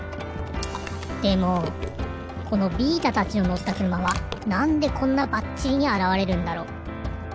でもこのビータたちののったくるまはなんでこんなバッチリにあらわれるんだろう？